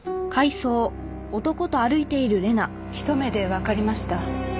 ひと目でわかりました。